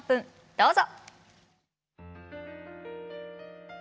どうぞ。